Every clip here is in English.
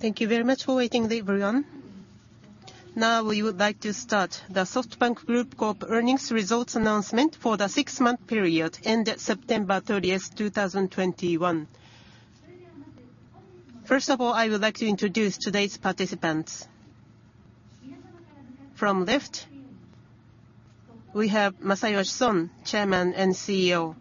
Thank you very much for waiting, everyone. Now, we would like to start the SoftBank Group Corp. earnings results announcement for the six-month period ended September 30, 2021. First of all, I would like to introduce today's participants. From left, we have Masayoshi Son, Chairman and CEO.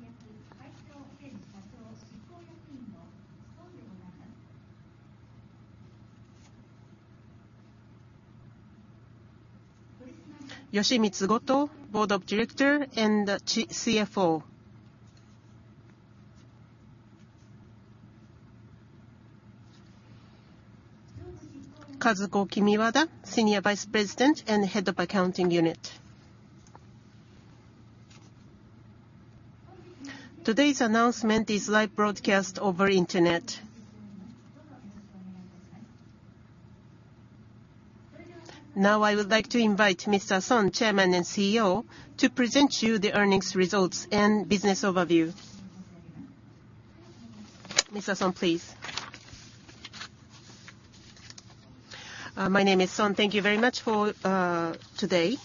Yoshimitsu Goto, Board of Director and CFO. Kazuko Kimiwada, Senior Vice President and Head of Accounting Unit. Today's announcement is live broadcast over internet. Now, I would like to invite Mr. Son, Chairman and CEO, to present you the earnings results and business overview. Mr. Son, please. My name is Son. Thank you very much for today.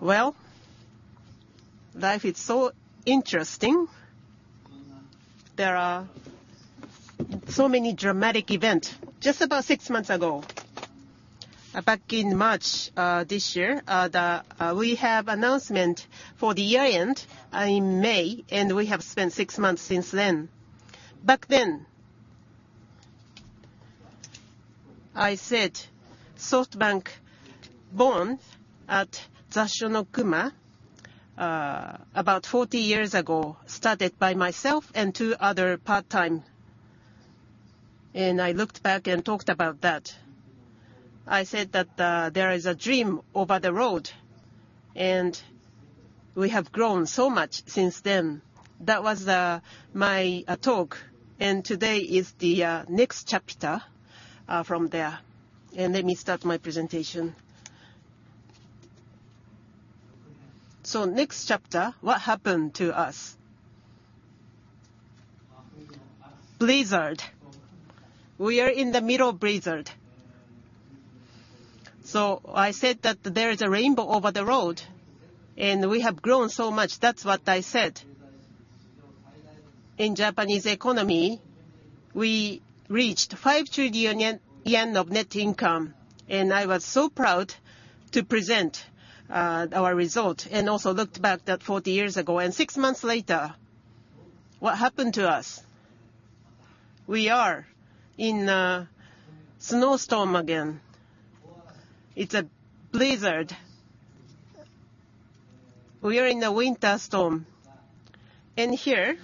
Well, life is so interesting. There are so many dramatic event. Just about six months ago, back in March this year, we had the announcement for the year-end in May, and we have spent six months since then. Back then, I said SoftBank born at Zasshonokuma about 40 years ago, started by myself and two other part-timers. I looked back and talked about that. I said that there is a dream over the road, and we have grown so much since then. That was my talk, and today is the next chapter from there. Let me start my presentation. Next chapter, what happened to us? Blizzard. We are in the middle of blizzard. I said that there is a rainbow over the road, and we have grown so much. That's what I said. In Japanese economy, we reached 5 trillion yen of net income, and I was so proud to present our result and also looked back that 40 years ago. Six months later, what happened to us? We are in a snowstorm again. It's a blizzard. We are in the winter storm. Here,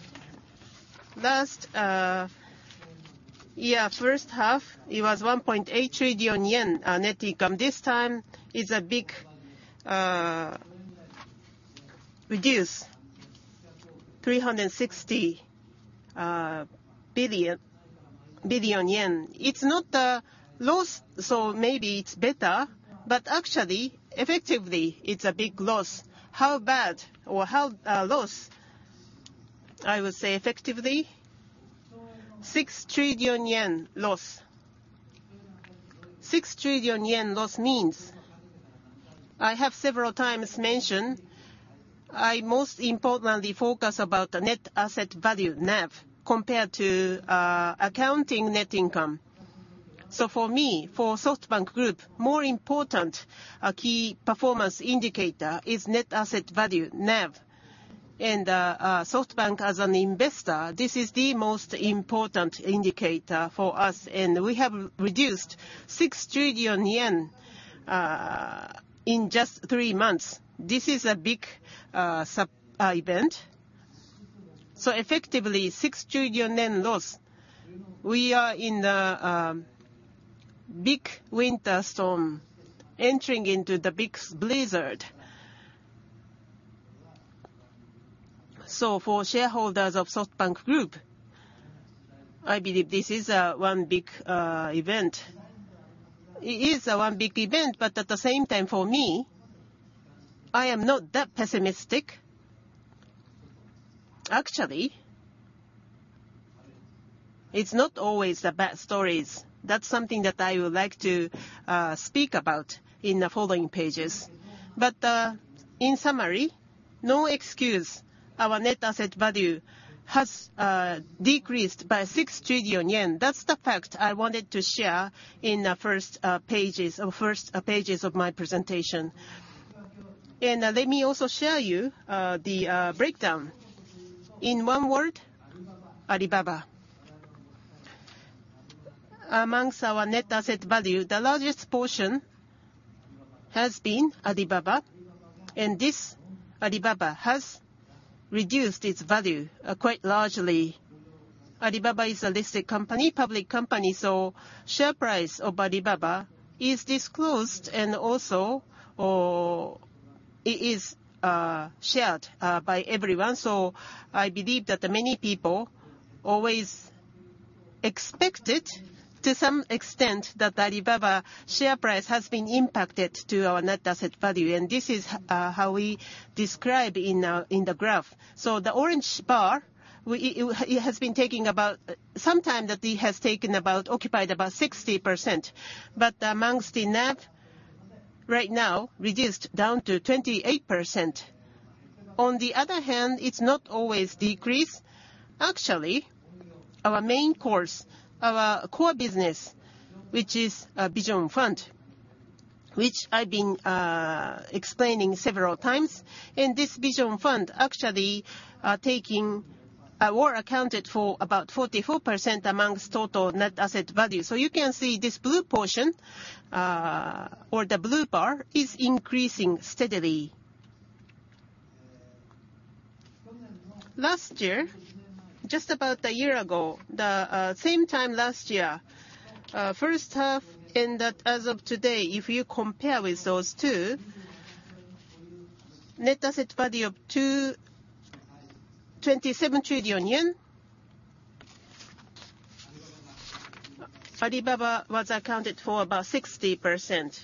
last year first half, it was 1.8 trillion yen net income. This time it's a big reduction, JPY 360 billion. It's not a loss, so maybe it's better, but actually, effectively it's a big loss. How bad or how loss? I would say effectively 6 trillion yen loss. 6 trillion yen loss means I have several times mentioned, I most importantly focus about the net asset value, NAV, compared to accounting net income. For me, for SoftBank Group, more important key performance indicator is net asset value, NAV. SoftBank, as an investor, this is the most important indicator for us, and we have reduced 6 trillion yen in just three months. This is a big event. Effectively, 6 trillion yen loss. We are in a big winter storm, entering into the big blizzard. For shareholders of SoftBank Group, I believe this is one big event. It is one big event, but at the same time, for me, I am not that pessimistic. Actually, it's not always the bad stories. That's something that I would like to speak about in the following pages. In summary, no excuse, our net asset value has decreased by 6 trillion yen. That's the fact I wanted to share in the first pages of my presentation. Let me also show you the breakdown. In one word, Alibaba. Among our net asset value, the largest portion has been Alibaba, and this Alibaba has reduced its value quite largely. Alibaba is a listed company, public company, so share price of Alibaba is disclosed and also it is shared by everyone. I believe that many people always expected to some extent that Alibaba share price has been impacted our net asset value, and this is how we describe in the graph. The orange bar, it has occupied about 60%. Among the NAV right now reduced down to 28%. On the other hand, it's not always decreasing. Actually, our main course, our core business, which is Vision Fund, which I've been explaining several times. This Vision Fund actually taking or accounted for about 44% among total net asset value. You can see this blue portion or the blue bar is increasing steadily. Last year, just about a year ago, the same time last year, first half ended as of today, if you compare with those two, net asset value of 27 trillion yen. Alibaba was accounted for about 60%.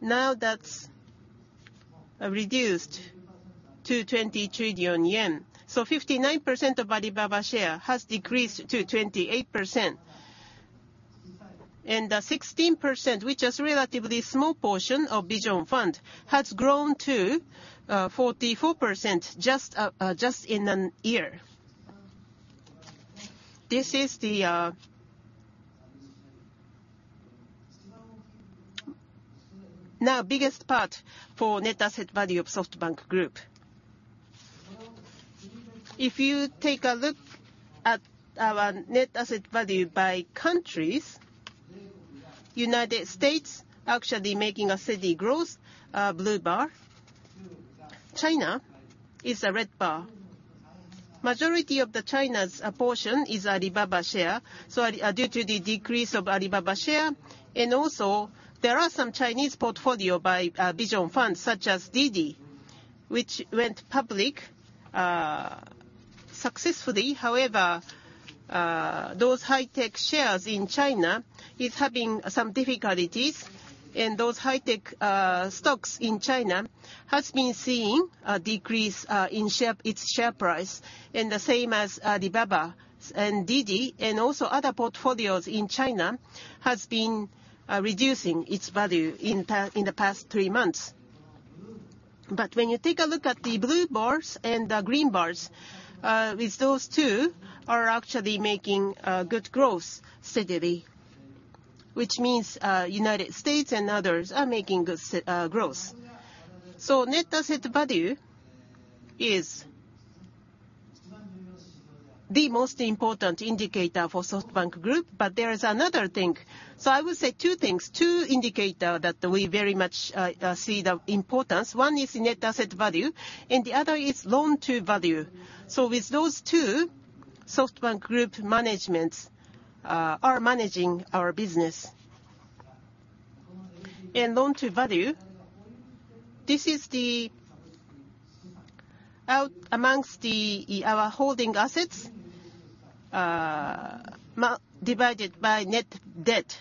Now that's reduced to 20 trillion yen. 59% of Alibaba share has decreased to 28%. The 16%, which is relatively small portion of Vision Fund, has grown to 44% just in a year. This is the now biggest part for net asset value of SoftBank Group. If you take a look at our net asset value by countries, United States actually making a steady growth, blue bar. China is a red bar. Majority of the China's portion is Alibaba share. Due to the decrease of Alibaba share, and also there are some Chinese portfolio by Vision Fund, such as DiDi, which went public successfully. However, those high-tech shares in China is having some difficulties. Those high-tech stocks in China has been seeing a decrease in share, its share price. The same as Alibaba and DiDi, and also other portfolios in China has been reducing its value in the past three months. When you take a look at the blue bars and the green bars, with those two are actually making good growth steadily. Which means, United States and others are making good growth. Net asset value is the most important indicator for SoftBank Group. There is another thing. I would say two things, two indicator that we very much see the importance. One is net asset value, and the other is loan to value. With those two, SoftBank Group managements are managing our business. Loan to value, this is our holding assets divided by net debt.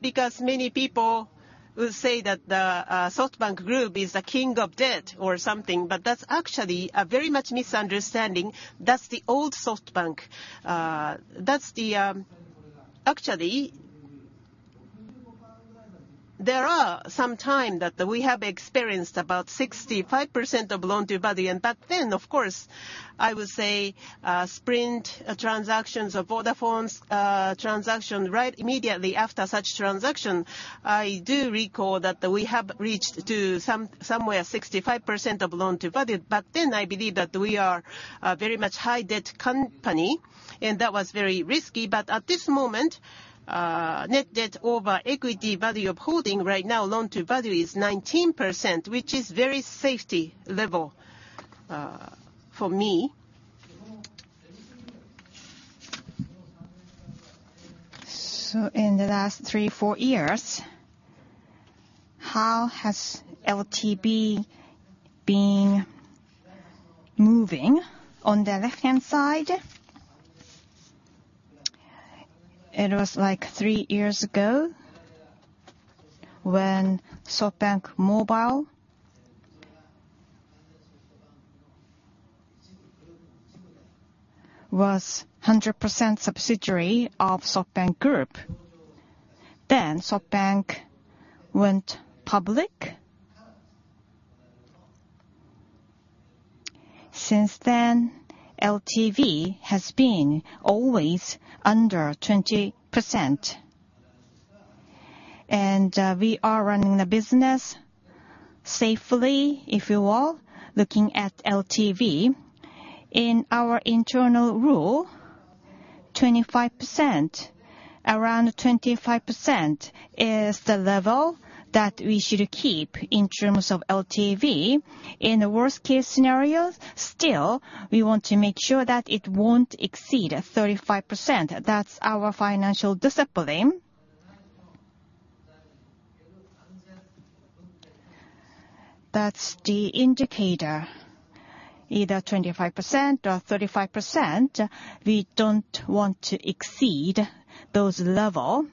Because many people will say that the SoftBank Group is the king of debt or something, but that's actually a very much misunderstanding. That's the old SoftBank. That's the Actually, there are some times that we have experienced about 65% of loan to value. Back then, of course, I would say, Sprint transaction or Vodafone's transaction, right, immediately after such transaction, I do recall that we have reached somewhere 65% of loan to value. Back then I believe that we are a very much high debt company, and that was very risky. At this moment, net debt over equity value of holding right now, loan to value is 19%, which is very safe level for me. In the last three, four years, how has LTV been moving? On the left-hand side, it was like three years ago when SoftBank Mobile was 100% subsidiary of SoftBank Group. Then SoftBank went public. Since then, LTV has been always under 20%. We are running the business safely, if you will, looking at LTV. In our internal rule, 25%, around 25% is the level that we should keep in terms of LTV. In the worst case scenario, still, we want to make sure that it won't exceed 35%. That's our financial discipline. That's the indicator. Either 25% or 35%, we don't want to exceed those levels.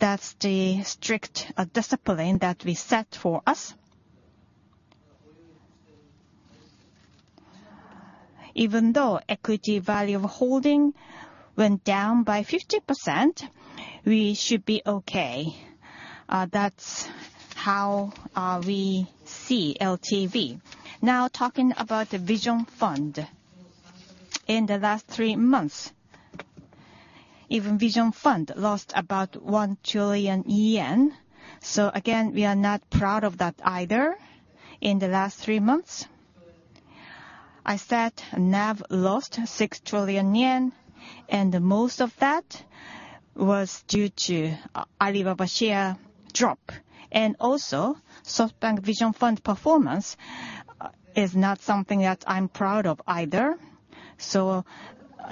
That's the strict discipline that we set for us. Even though equity value of holding went down by 50%, we should be okay. That's how we see LTV. Now talking about the Vision Fund. In the last three months, even Vision Fund lost about 1 trillion yen. We are not proud of that either. In the last three months, I said NAV lost 6 trillion yen, and most of that was due to Alibaba share drop. Also, SoftBank Vision Fund performance is not something that I'm proud of either.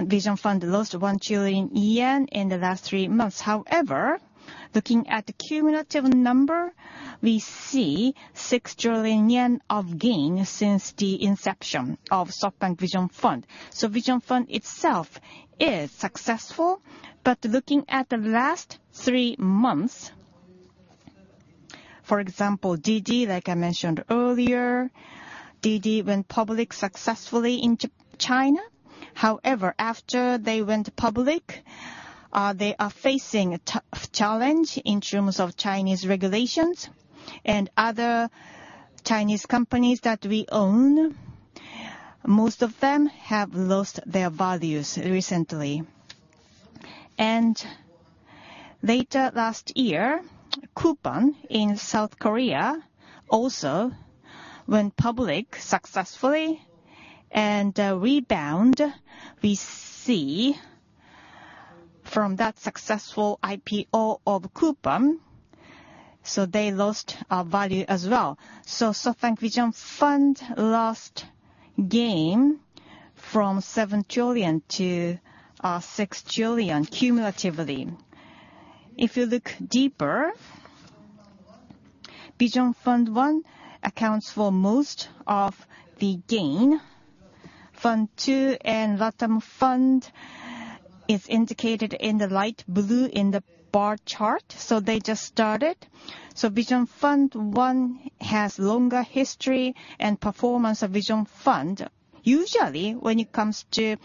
Vision Fund lost 1 trillion yen in the last three months. However, looking at the cumulative number, we see 6 trillion yen of gain since the inception of SoftBank Vision Fund. Vision Fund itself is successful, but looking at the last three months. For example, DiDi, like I mentioned earlier, DiDi went public successfully in China. However, after they went public, they are facing a tough challenge in terms of Chinese regulations. Other Chinese companies that we own, most of them have lost their values recently. Late last year, Coupang in South Korea also went public successfully and no rebound we see from that successful IPO of Coupang, so they lost value as well. SoftBank Vision Fund lost gain from 7 trillion to 6 trillion cumulatively. If you look deeper, Vision Fund One accounts for most of the gain. Fund Two and Latam Fund is indicated in the light blue in the bar chart, so they just started. Vision Fund One has longer history and performance of Vision Fund. Usually, when it comes to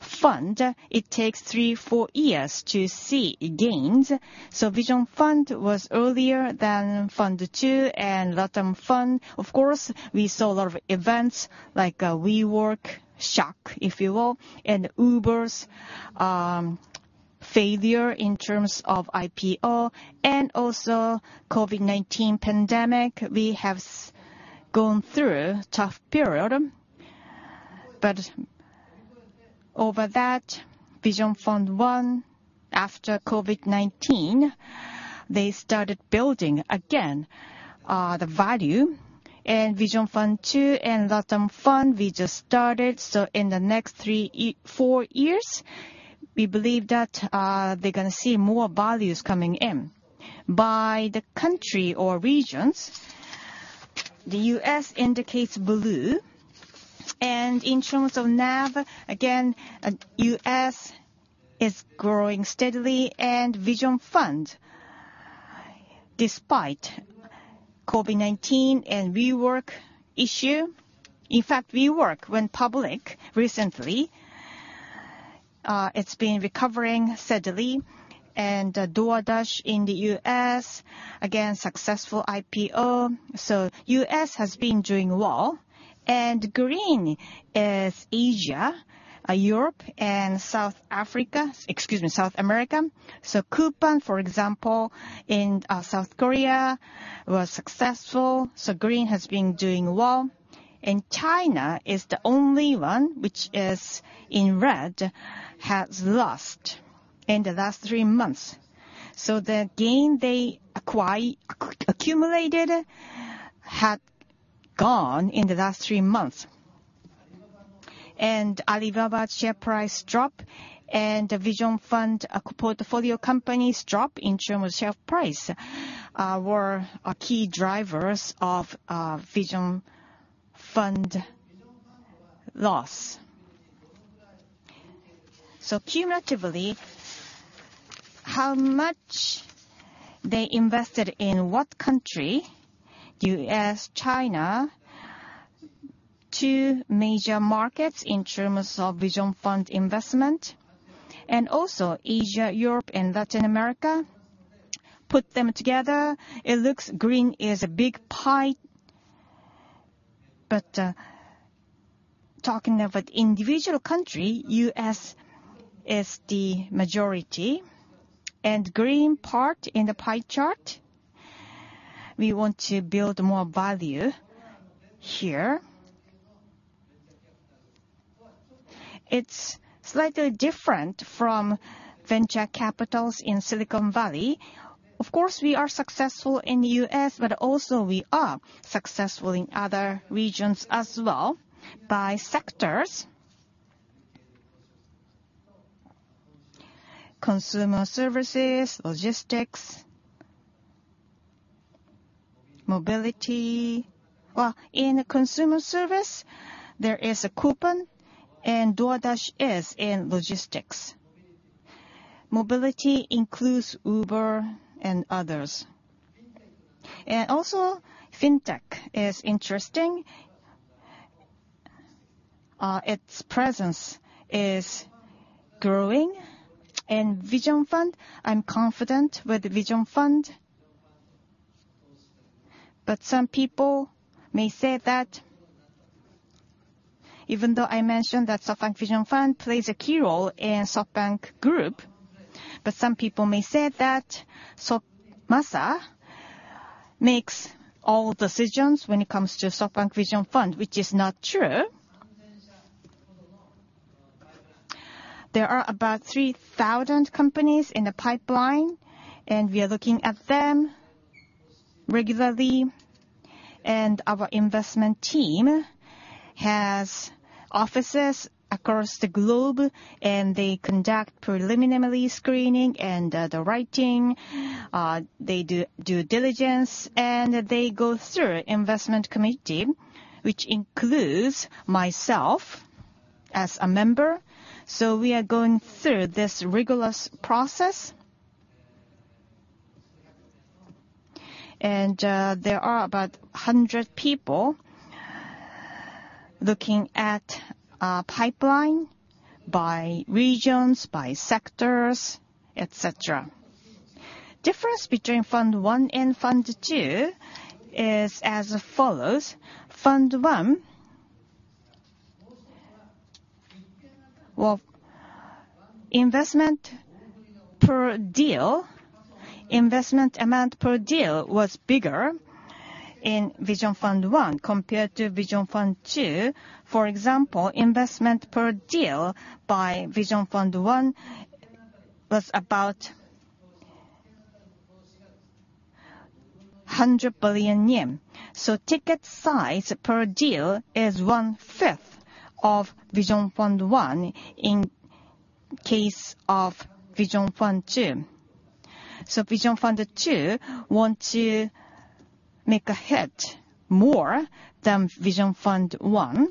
fund, it takes 3-4 years to see gains. Vision Fund was earlier than Fund Two and Latam Fund. Of course, we saw a lot of events like WeWork shock, if you will, and Uber's failure in terms of IPO, and also COVID-19 pandemic. We have gone through tough period. Over that, Vision Fund One, after COVID-19, they started building again the value. Vision Fund Two and Latam Fund, we just started, so in the next 3-4 years, we believe that they're gonna see more values coming in. By the country or regions, the U.S. indicates blue. In terms of NAV, U.S. is growing steadily, and Vision Fund, despite COVID-19 and WeWork issue. In fact, WeWork went public recently. It's been recovering steadily. DoorDash in the U.S., again, successful IPO. U.S. has been doing well. Green is Asia, Europe and South Africa, excuse me, South America. Coupang, for example, in South Korea was successful, so green has been doing well. China is the only one which is in red, has lost in the last three months. The gain they accumulated had gone in the last three months. Alibaba's share price drop and the Vision Fund portfolio company's drop in terms of share price were key drivers of Vision Fund loss. Cumulatively, how much they invested in what country? U.S., China, two major markets in terms of Vision Fund investment. Also Asia, Europe and Latin America. Put them together, it looks green is a big pie. Talking about individual country, U.S. is the majority. Green part in the pie chart, we want to build more value here. It's slightly different from venture capital in Silicon Valley. Of course, we are successful in the U.S., but also we are successful in other regions as well by sectors. Consumer services, logistics, mobility. Well, in consumer services, there is Coupang and DoorDash is in logistics. Mobility includes Uber and others. Fintech is interesting. Its presence is growing. Vision Fund, I'm confident with Vision Fund. Some people may say that even though I mentioned that SoftBank Vision Fund plays a key role in SoftBank Group, Masa makes all decisions when it comes to SoftBank Vision Fund, which is not true. There are about 3,000 companies in the pipeline, and we are looking at them regularly. Our investment team has offices across the globe, and they conduct preliminary screening and underwriting. They do due diligence, and they go through investment committee, which includes myself as a member. We are going through this rigorous process. There are about 100 people looking at our pipeline by regions, by sectors, et cetera. Difference between Fund 1 and Fund 2 is as follows. Fund 1. Well, investment per deal, investment amount per deal was bigger in Vision Fund 1 compared to Vision Fund 2. For example, investment per deal by Vision Fund 1 was about 100 billion yen. So ticket size per deal is one-fifth of Vision Fund 1 in case of Vision Fund 2. So Vision Fund 2 want to make a hit more than Vision Fund 1.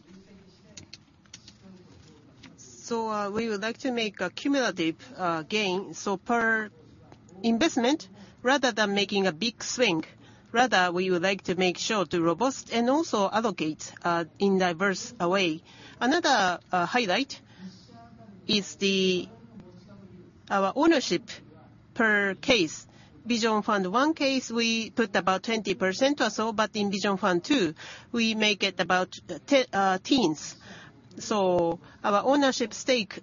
So, we would like to make a cumulative gain. So per investment, rather than making a big swing, rather we would like to make sure to robust and also allocate in diverse way. Another highlight is the our ownership per case. Vision Fund 1 case, we put about 20% or so, but in Vision Fund 2, we make it about teens. Our ownership stake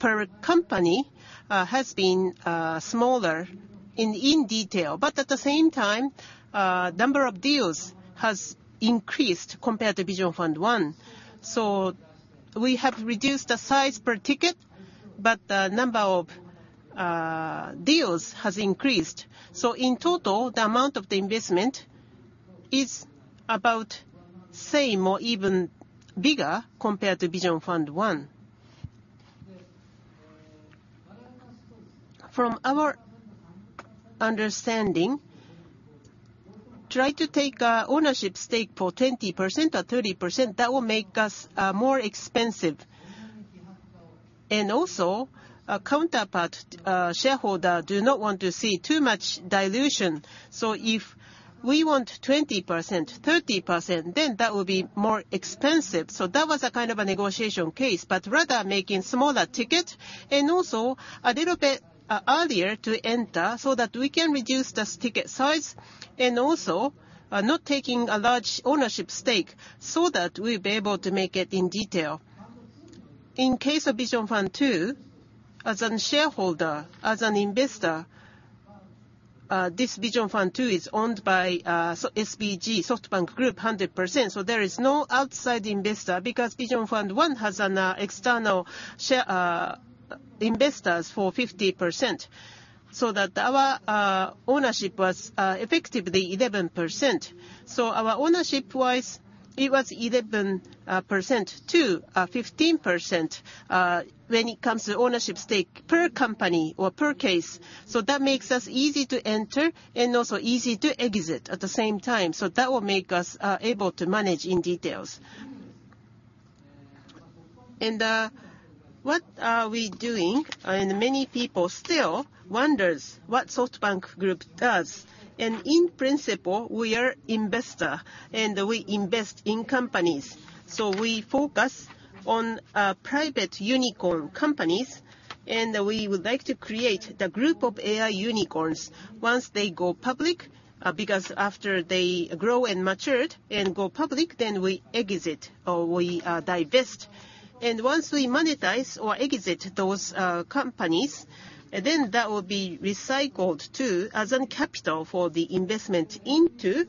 per company has been smaller in detail, but at the same time, number of deals has increased compared to Vision Fund 1. We have reduced the size per ticket, but the number of deals has increased. In total, the amount of the investment is about same or even bigger compared to Vision Fund 1. From our understanding, try to take ownership stake for 20% or 30%, that will make us more expensive. Also, a counterpart shareholder do not want to see too much dilution. If we want 20%, 30%, then that will be more expensive. That was a kind of a negotiation case, but rather making smaller ticket and also a little bit earlier to enter so that we can reduce this ticket size and also not taking a large ownership stake so that we'll be able to make it in detail. In case of Vision Fund 2, as an shareholder, as an investor, this Vision Fund 2 is owned by SBG, SoftBank Group 100%, so there is no outside investor because Vision Fund 1 has an external share investors for 50%, so that our ownership was effectively 11%. Our ownership-wise, it was 11% to 15% when it comes to ownership stake per company or per case. That makes us easy to enter and also easy to exit at the same time. That will make us able to manage in details. What are we doing? Many people still wonders what SoftBank Group does. In principle, we are investor, and we invest in companies. We focus on private unicorn companies, and we would like to create the group of AI unicorns. Once they go public, because after they grow and matured and go public, then we exit or we divest. Once we monetize or exit those companies, then that will be recycled too as an capital for the investment into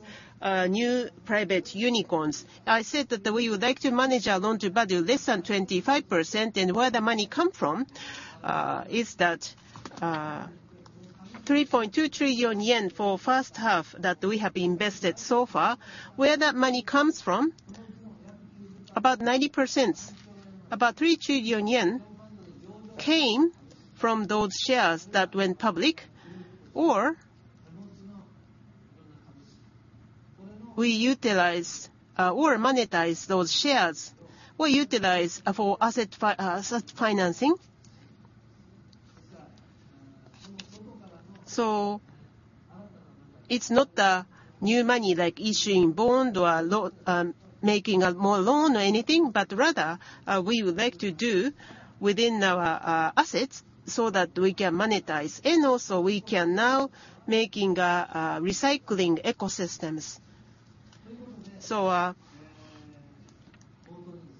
new private unicorns. I said that we would like to manage our loan-to-value less than 25%, and where the money come from is that three point two trillion yen for first half that we have invested so far. Where that money comes from? About 90%, about 3 trillion yen came from those shares that went public, or we utilize or monetize those shares. We utilize for asset financing. It's not the new money like issuing bond or loan, making a more loan or anything, but rather we would like to do within our assets so that we can monetize. Also we can now making recycling ecosystems.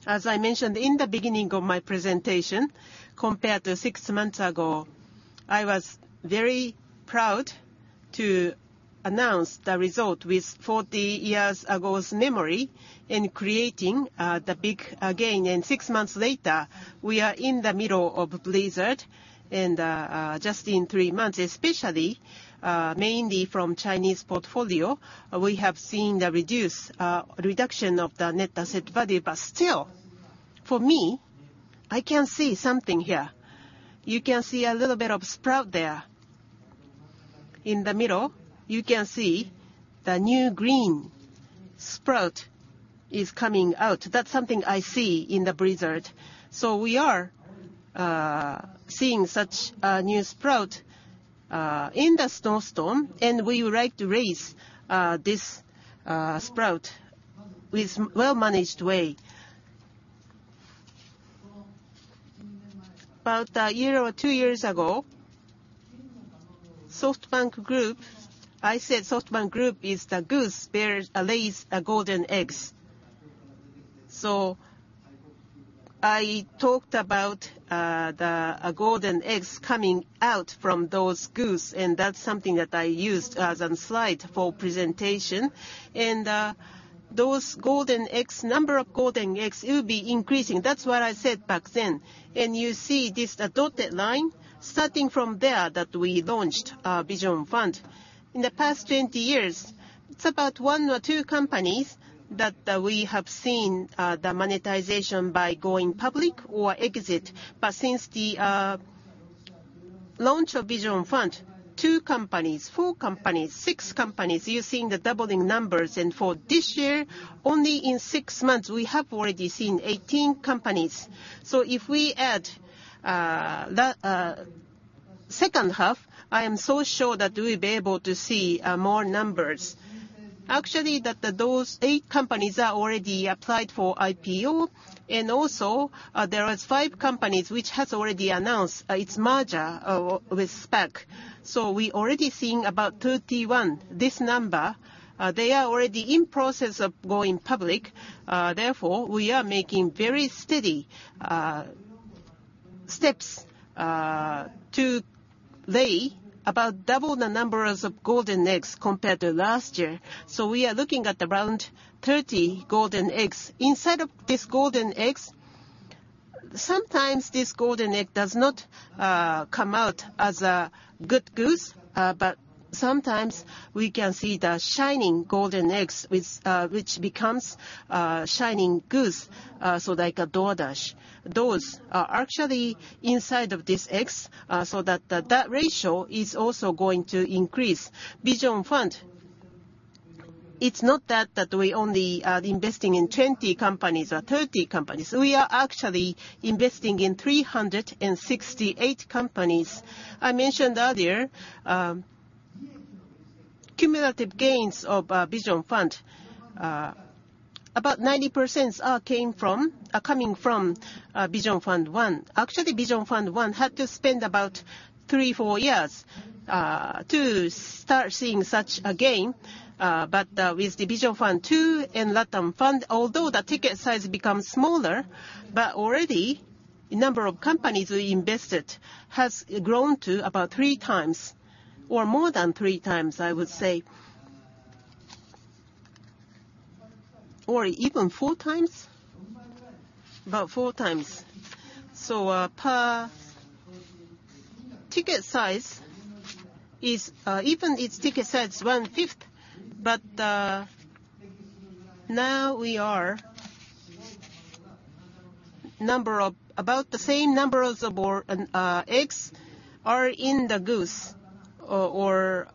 As I mentioned in the beginning of my presentation, compared to six months ago, I was very proud to announce the result with 40 years ago's memory in creating the big gain. Six months later, we are in the middle of blizzard, and just in three months especially, mainly from Chinese portfolio, we have seen the reduction of the net asset value. But still, for me, I can see something here. You can see a little bit of sprout there. In the middle, you can see the new green sprout is coming out. That's something I see in the blizzard. We are seeing such a new sprout in the snow storm, and we would like to raise this sprout with well-managed way. About a year or two years ago, SoftBank Group, I said SoftBank Group is the goose lays golden eggs. I talked about the golden eggs coming out from those goose, and that's something that I used as slide for presentation. Those golden eggs, number of golden eggs, it would be increasing. That's what I said back then. You see this, the dotted line, starting from there that we launched our Vision Fund. In the past 20 years, it's about one or two companies that we have seen the monetization by going public or exit. Since the launch of Vision Fund, two companies, four companies, six companies, you're seeing the doubling numbers. For this year, only in six months, we have already seen 18 companies. If we add the second half, I am so sure that we'll be able to see more numbers. Actually, those eight companies are already applied for IPO, and also, there is five companies which has already announced its merger with SPAC. We already seeing about 31. This number, they are already in process of going public. Therefore, we are making very steady steps to lay about double the numbers of golden eggs compared to last year. We are looking at around 30 golden eggs. Inside of these golden eggs, sometimes this golden egg does not come out as a good goose, but sometimes we can see the shining golden eggs which becomes shining goose, so like a DoorDash. Those are actually inside of this eggs, so that ratio is also going to increase. Vision Fund, it's not that we only investing in 20 companies or 30 companies. We are actually investing in 368 companies. I mentioned earlier, cumulative gains of Vision Fund, about 90% are coming from Vision Fund 1. Actually, Vision Fund 1 had to spend about three or four years to start seeing such a gain. With the Vision Fund 2 and Latam Fund, although the ticket size becomes smaller, but already the number of companies we invested has grown to about 3x, or more than 3x, I would say. Or even 4x. About 4x. Per ticket size is even its ticket size is 1/5, but now the number of is about the same number of, or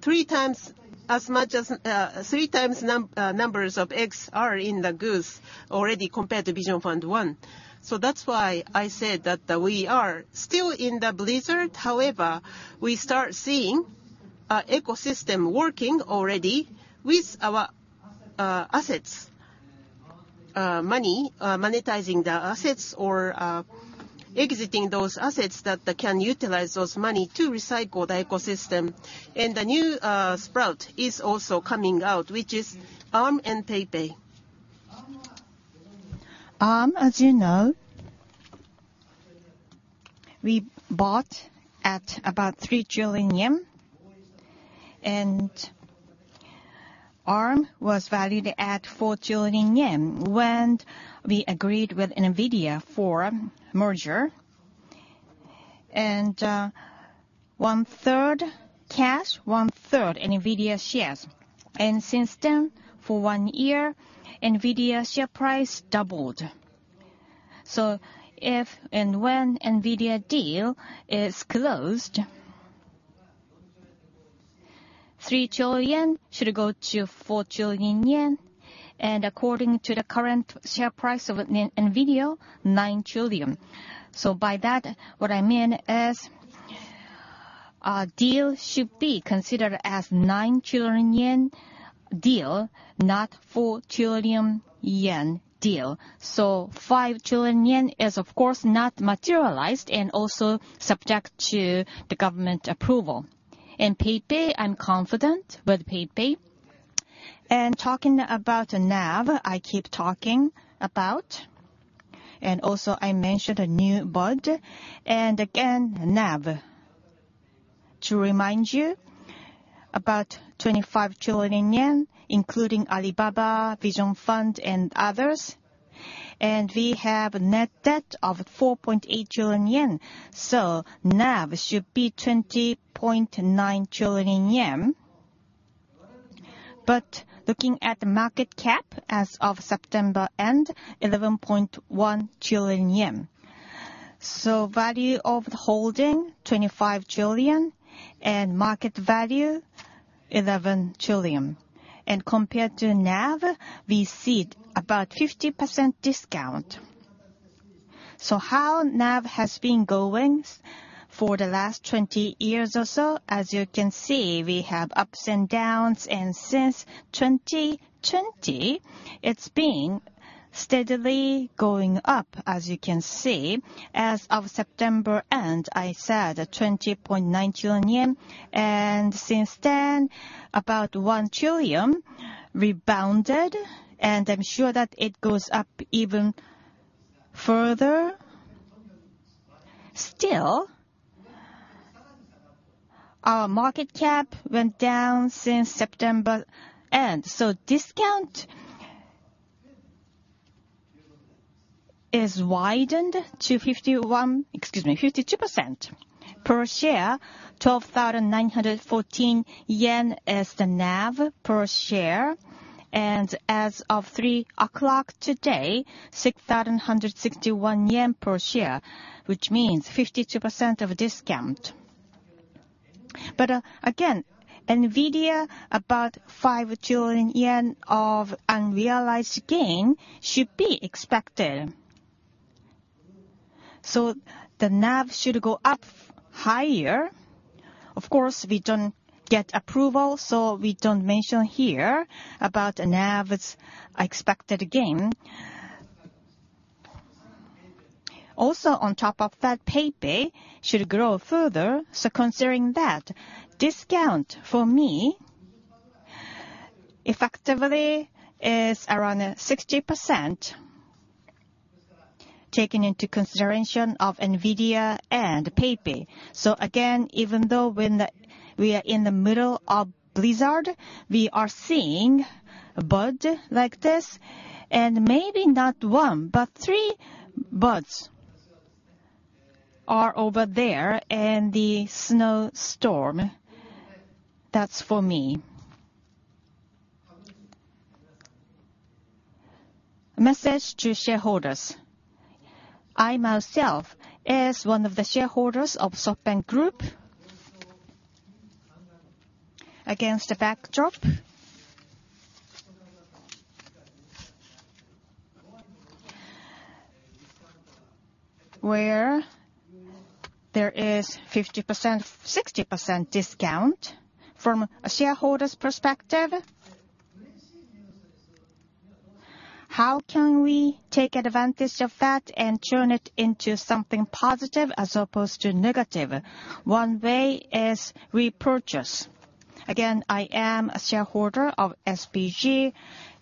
3x as much as, 3x numbers of eggs are in the basket already compared to Vision Fund 1. That's why I said that we are still in the blizzard. However, we start seeing the ecosystem working already with our assets, monetizing the assets or exiting those assets that can utilize that money to recycle the ecosystem. The new sprout is also coming out, which is Arm and PayPay. Arm, as you know, we bought at about 3 trillion yen, and Arm was valued at 4 trillion yen when we agreed with NVIDIA for merger. One third cash, one third NVIDIA shares. Since then, for one year, NVIDIA share price doubled. If and when NVIDIA deal is closed, 3 trillion yen should go to 4 trillion yen. According to the current share price of NVIDIA, 9 trillion. By that, what I mean is, deal should be considered as 9 trillion yen deal, not 4 trillion yen deal. 5 trillion yen is of course not materialized, and also subject to the government approval. PayPay, I'm confident with PayPay. Talking about NAV, I keep talking about, and also I mentioned a new bird. Again, NAV. To remind you, about 25 trillion yen, including Alibaba, Vision Fund and others. We have net debt of 4.8 trillion yen. NAV should be 20.9 trillion yen. Looking at the market cap as of September end, 11.1 trillion yen. Value of holding 25 trillion, and market value 11 trillion. Compared to NAV, we see about 50% discount. How NAV has been going for the last 20 years or so? As you can see, we have ups and downs. Since 2020, it's been steadily going up, as you can see. As of September end, I said 20.9 trillion yen. Since then, about 1 trillion rebounded, and I'm sure that it goes up even further. Still, our market cap went down since September end. Discount has widened to 51. Excuse me, 52%. Per share, 12,914 yen is the NAV per share. As of 3:00 today, 6,161 yen per share, which means 52% discount. Again, NVIDIA about 5 trillion yen of unrealized gain should be expected. The NAV should go up higher. Of course, we don't get approval, so we don't mention here about NAV's expected gain. Also on top of that, PayPay should grow further. Considering that, discount for me effectively is around 60%, taking into consideration of NVIDIA and PayPay. Again, even though we are in the middle of blizzard, we are seeing bird like this. Maybe not one, but three birds are over there in the snow storm. That's for me. Message to shareholders. I myself, as one of the shareholders of SoftBank Group, against the backdrop where there is 50%, 60% discount. From a shareholder's perspective, how can we take advantage of that and turn it into something positive as opposed to negative? One way is repurchase. Again, I am a shareholder of SBG,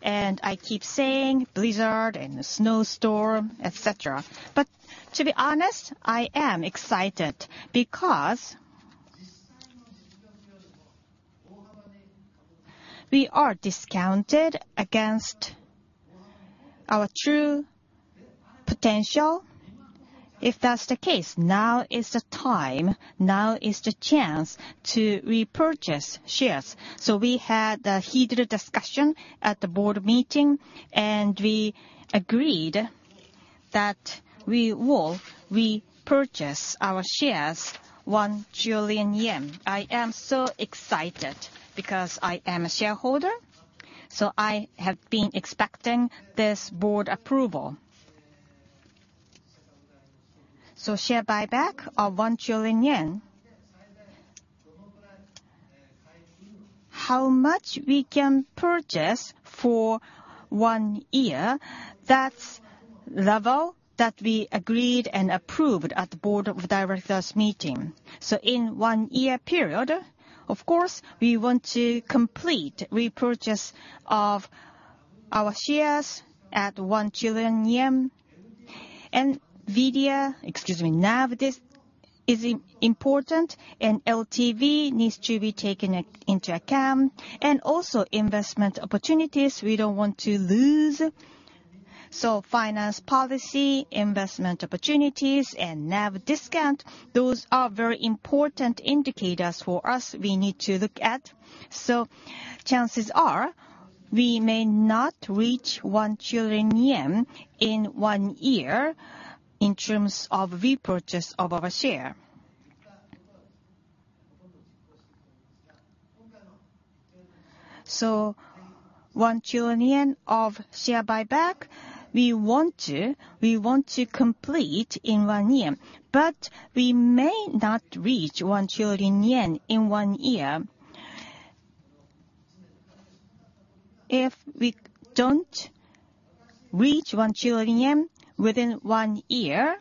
and I keep saying blizzard and snowstorm, et cetera. But to be honest, I am excited because we are discounted against our true potential. If that's the case, now is the time, now is the chance to repurchase shares. We had a heated discussion at the board meeting, and we agreed that we will repurchase our shares for 1 trillion yen. I am so excited because I am a shareholder, so I have been expecting this board approval. Share buyback of JPY 1 trillion. How much we can purchase for one year, that's level that we agreed and approved at the board of directors meeting. In one year period, of course, we want to complete repurchase of our shares at JPY 1 trillion. NAV, this is important, and LTV needs to be taken into account. Also investment opportunities we don't want to lose. Finance policy, investment opportunities, and NAV discount, those are very important indicators for us we need to look at. Chances are we may not reach 1 trillion yen in one year in terms of repurchase of our share. 1 trillion of share buyback, we want to complete in one year. We may not reach 1 trillion yen in one year. If we don't reach 1 trillion yen within one year,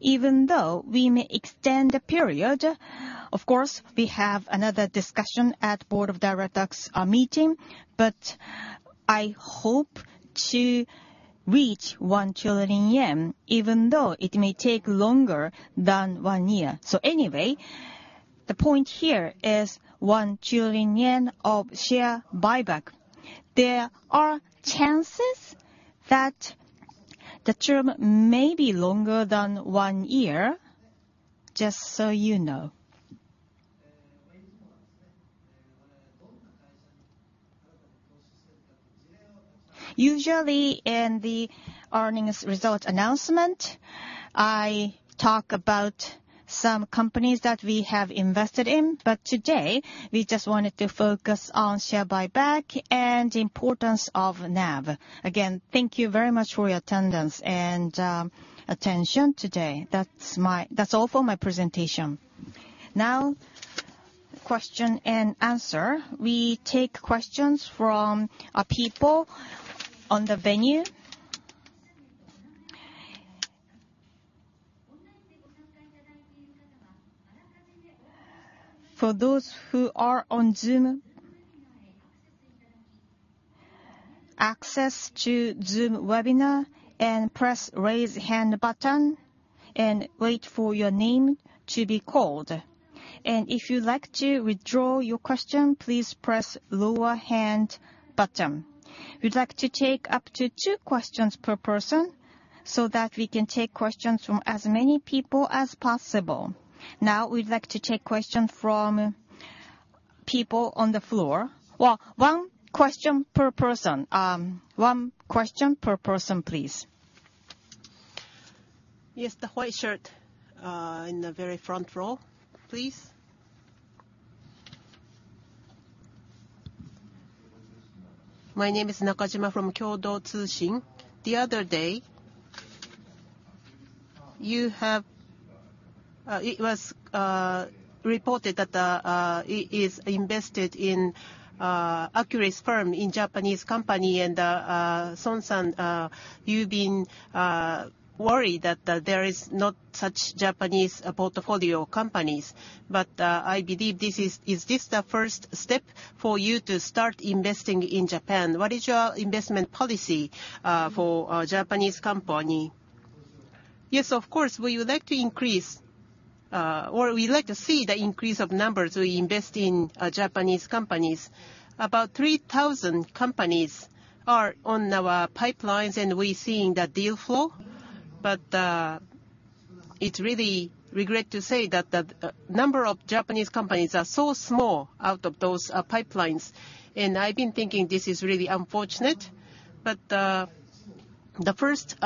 even though we may extend the period, of course, we have another discussion at board of directors meeting, but I hope to reach 1 trillion yen even though it may take longer than one year. Anyway, the point here is 1 trillion yen of share buyback. There are chances that the term may be longer than one year, just so you know. Usually in the earnings result announcement, I talk about some companies that we have invested in, but today we just wanted to focus on share buyback and importance of NAV. Again, thank you very much for your attendance and attention today. That's all for my presentation. Now question and answer. We take questions from our people on the venue. For those who are on Zoom, access to Zoom webinar and press raise hand button and wait for your name to be called. If you'd like to withdraw your question, please press lower hand button. We'd like to take up to two questions per person, so that we can take questions from as many people as possible. Now we'd like to take question from people on the floor. Well, one question per person, please. Yes, the white shirt in the very front row, please. My name is Nakajima from Kyodo News. The other day, it was reported that it is invested in Acroquest firm, a Japanese company. Son-san, you've been worried that there is not such Japanese portfolio companies. I believe this is the first step for you to start investing in Japan? What is your investment policy for a Japanese company? Yes, of course, we would like to increase, or we'd like to see the increase of numbers we invest in, Japanese companies. About 3,000 companies are on our pipelines and we're seeing the deal flow. It's really regrettable to say that the number of Japanese companies are so small out of those pipelines. I've been thinking this is really unfortunate. The first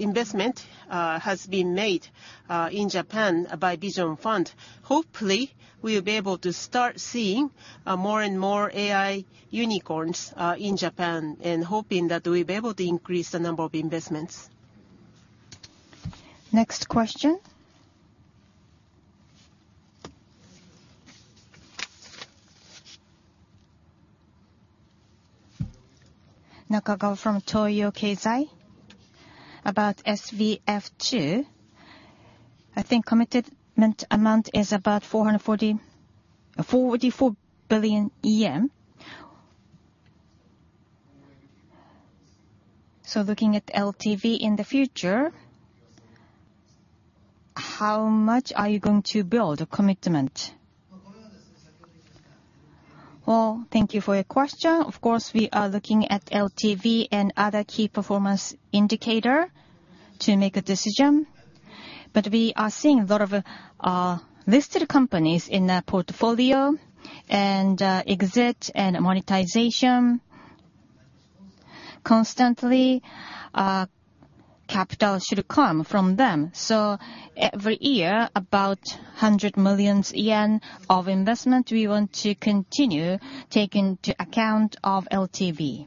investment has been made in Japan by Vision Fund. Hopefully, we'll be able to start seeing more and more AI unicorns in Japan, and hoping that we'll be able to increase the number of investments. Next question. Nakagawa from Toyokeizai. About SVF two, I think commitment amount is about 444 billion yen. Looking at LTV in the future, how much are you going to build a commitment? Well, thank you for your question. Of course, we are looking at LTV and other key performance indicator to make a decision. We are seeing a lot of listed companies in their portfolio, and exit and monetization. Constantly, capital should come from them. Every year, about 100 million yen of investment we want to continue taking into account of LTV.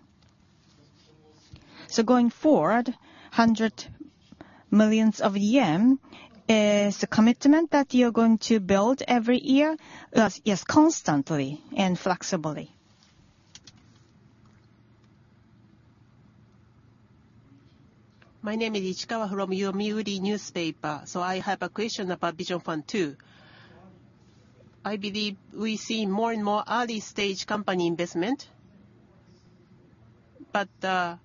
Going forward, 100 million yen is the commitment that you are going to build every year? Yes. Constantly and flexibly. My name is Ichikawa from Yomiuri Shimbun. I have a question about Vision Fund II. I believe we've seen more and more early-stage company investment. The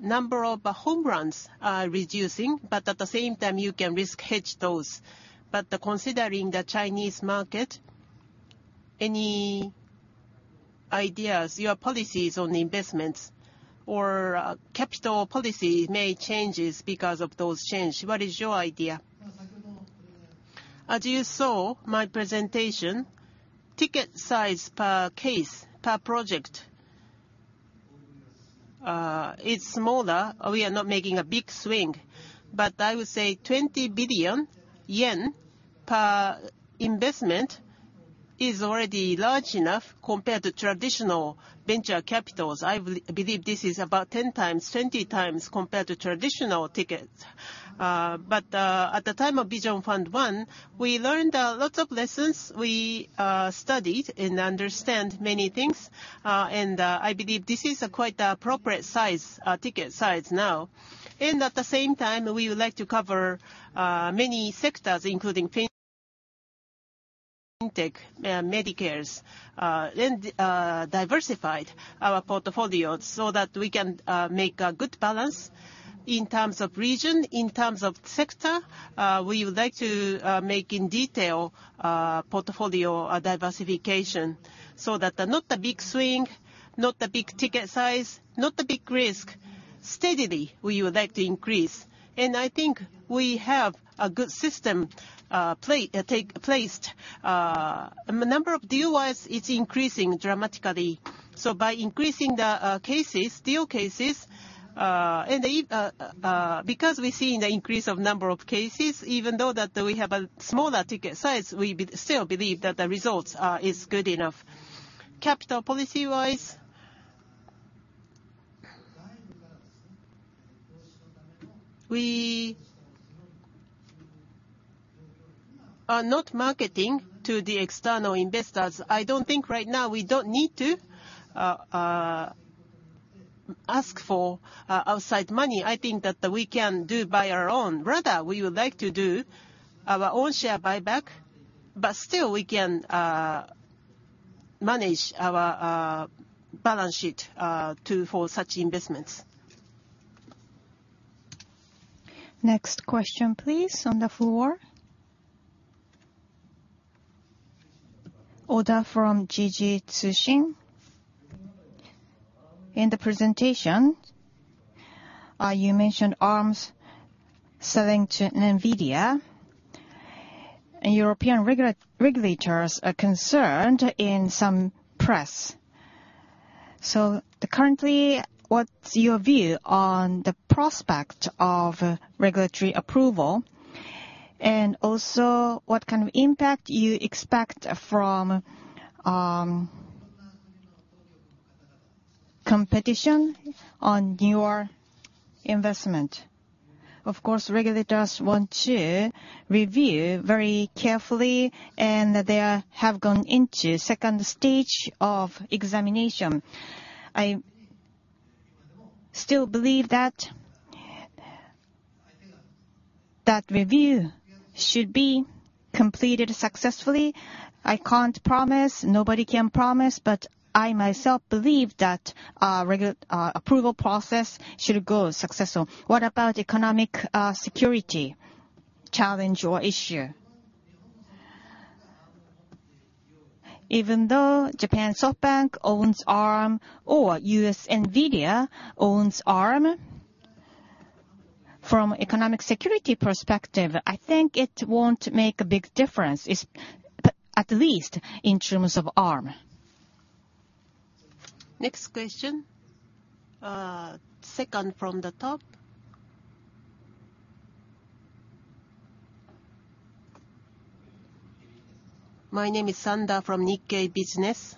number of home runs are reducing, but at the same time, you can risk hedge those. Considering the Chinese market, any ideas, your policies on investments or capital policy may changes because of those change. What is your idea? As you saw my presentation, ticket size per case, per project, is smaller. We are not making a big swing. I would say 20 billion yen per investment is already large enough compared to traditional venture capitals. I believe this is about 10 times, 20 times compared to traditional tickets. At the time of Vision Fund 1, we learned lots of lessons. We studied and understand many things. I believe this is a quite appropriate size ticket size now. At the same time, we would like to cover many sectors, including fintech, Medicares, and diversified our portfolio so that we can make a good balance in terms of region, in terms of sector. We would like to make in detail portfolio diversification so that not a big swing, not a big ticket size, not a big risk. Steadily, we would like to increase. I think we have a good system placed. The number of deals is increasing dramatically. By increasing the cases, deal cases, and because we're seeing the increase of number of cases, even though that we have a smaller ticket size, we still believe that the results are good enough. Capital policy-wise, we are not marketing to the external investors. I don't think right now we don't need to ask for outside money. I think that we can do by our own. Rather, we would like to do our own share buyback, but still we can manage our balance sheet for such investments. Next question, please, on the floor. Oda from Jiji Press. In the presentation, you mentioned Arm selling to NVIDIA and European regulators are concerned in some press. Currently, what's your view on the prospect of regulatory approval? What kind of impact you expect from competition on your investment? Of course, regulators want to review very carefully, and they have gone into second stage of examination. I still believe that review should be completed successfully. I can't promise, nobody can promise, but I myself believe that approval process should go successful. What about economic security challenge or issue? Even though Japanese SoftBank owns Arm or U.S. NVIDIA owns Arm, from economic security perspective, I think it won't make a big difference, at least in terms of Arm. Next question, second from the top. My name is Sanda from Nikkei Business.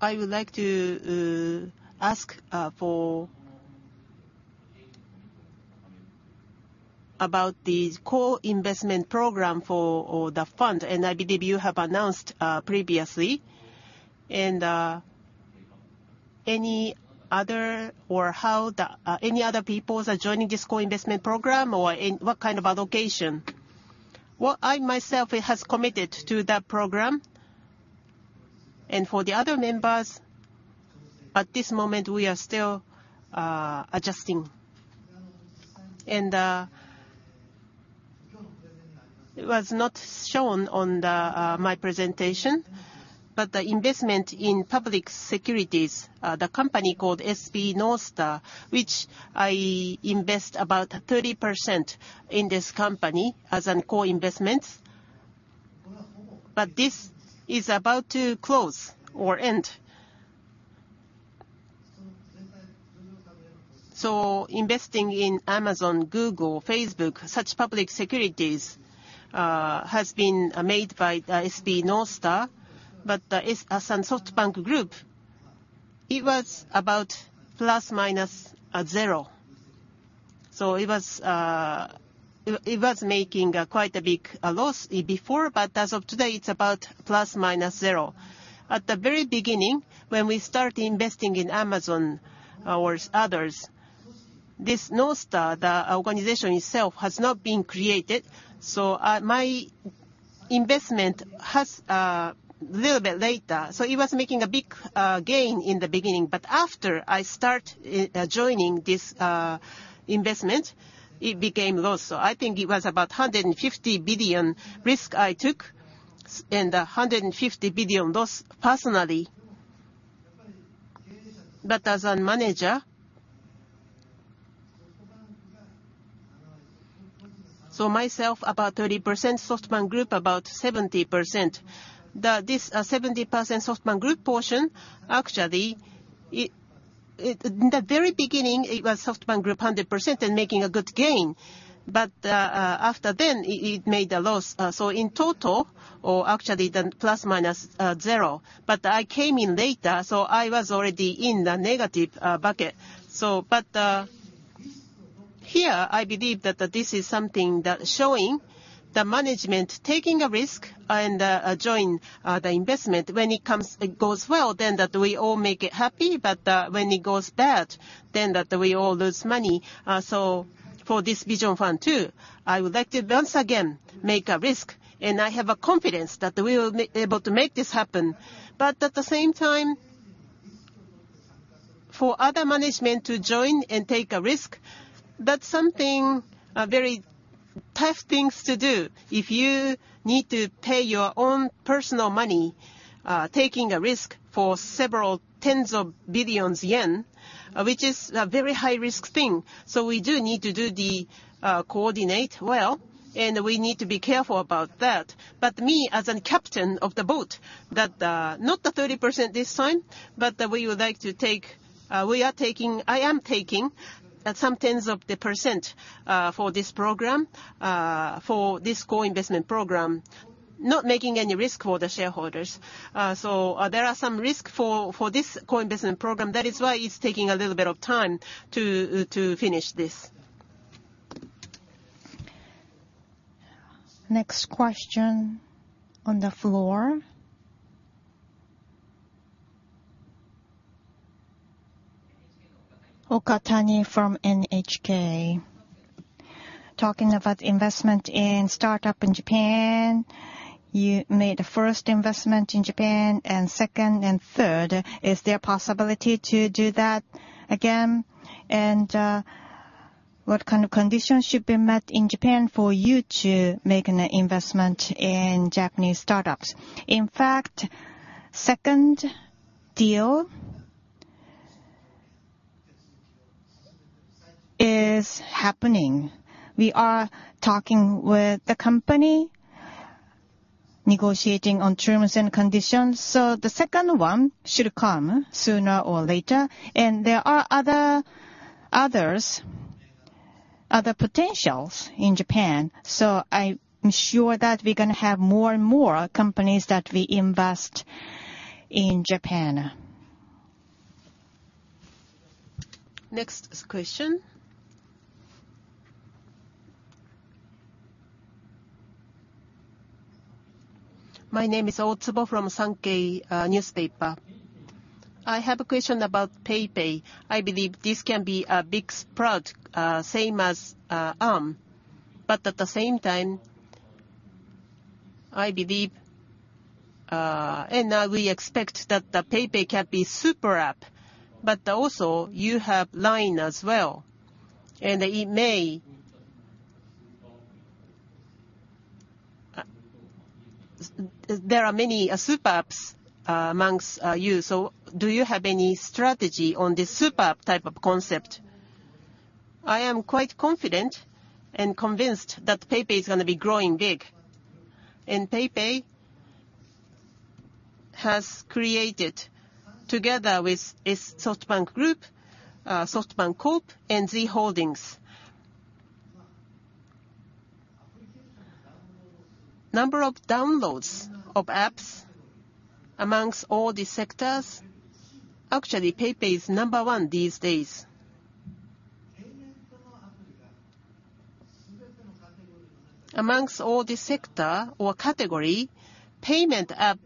I would like to ask about the co-investment program for the fund, and I believe you have announced previously. Any other people are joining this co-investment program or in what kind of allocation? Well, I myself have committed to that program. For the other members, at this moment, we are still adjusting. It was not shown on my presentation, but the investment in public securities, the company called SB Northstar, which I invest about 30% in this company as in co-investments. This is about to close or end. Investing in Amazon, Google, Facebook, such public securities, has been made by SB Northstar. As in SoftBank Group, it was about ±0. It was making quite a big loss before, but as of today, it's about ±0. At the very beginning, when we start investing in Amazon or others, this SB Northstar, the organization itself has not been created. My investment was a little bit later. It was making a big gain in the beginning, but after I started joining this investment, it became a loss. I think it was about 150 billion risk I took, and a 150 billion loss personally. As a manager, myself, about 30%, SoftBank Group about 70%. This 70% SoftBank Group portion, actually it, the very beginning it was SoftBank Group 100% and making a good gain. After then, it made a loss. In total, or actually the plus minus zero. I came in later, so I was already in the negative bucket. Here, I believe that this is something that showing the management taking a risk and join the investment. It goes well, then that we all make it happy. When it goes bad, then that we all lose money. For this Vision Fund too, I would like to once again make a risk, and I have a confidence that we will be able to make this happen. At the same time, for other management to join and take a risk, that's something very tough things to do. If you need to pay your own personal money, taking a risk for several tens of billions JPY, which is a very high-risk thing. We do need to do the coordinate well, and we need to be careful about that. Me, as a captain of the boat, not the 30% this time, but I am taking some tens of percent for this co-investment program. Not taking any risk for the shareholders. There are some risk for this co-investment program. That is why it's taking a little bit of time to finish this. Next question on the floor. Otani from NHK. Talking about investment in startup in Japan, you made the first investment in Japan, and second and third. Is there a possibility to do that again? What kind of conditions should be met in Japan for you to make an investment in Japanese startups? In fact, second deal is happening. We are talking with the company, negotiating on terms and conditions, so the second one should come sooner or later. There are other potentials in Japan, so I am sure that we're gonna have more and more companies that we invest in Japan. Next question. My name is Otsubo from Sankei Shimbun. I have a question about PayPay. I believe this can be a big spurt same as Arm. At the same time, I believe we expect that PayPay can be super app, but also you have LINE as well. There are many super apps among you. Do you have any strategy on this super app type of concept? I am quite confident and convinced that PayPay is gonna be growing big. PayPay has created together with its SoftBank Group, SoftBank Corp., and Z Holdings. The number of downloads of apps among all the sectors, actually PayPay is number one these days. Among all the sector or category, payment app